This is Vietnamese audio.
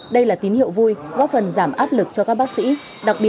đây là tín hiệu vui góp phần giảm áp lực cho các bác sĩ